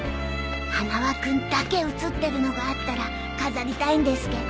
花輪君だけ写ってるのがあったら飾りたいんですけど。